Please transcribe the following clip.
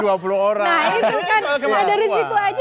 nah itu kan dari situ saja